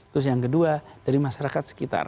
terus yang kedua dari masyarakat sekitar